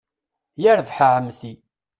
Yarbaḥ a Ɛemti.